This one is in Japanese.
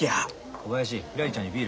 小林ひらりちゃんにビール。